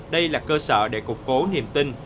đây là cơ sở để cục cố niềm tin